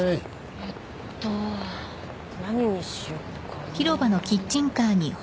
えっと何にしよっかな。